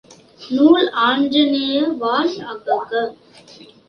நூல் ஆஞ்சநேய வாஅழ்க!